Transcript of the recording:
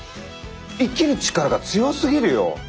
生きる力が強すぎるよ。